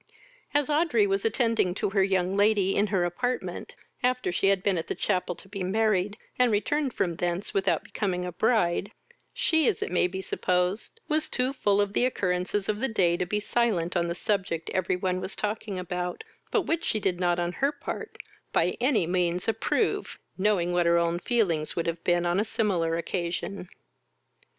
As Audrey was attending her young lady, in her apartment, after she had been at the chapel to be married, and returned from thence without becoming a bride, she, as it may be supposed, was too full of the occurrences of the day to be silent on the subject every one was talking about, but which she did not, on her part, by any means approve, knowing what her own feelings would have been on a similar occasion.